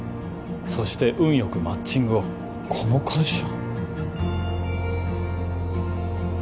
そして運よくマッチングをこの会社